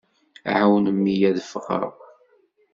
Ɛawnem-iyi ad ffɣeɣ.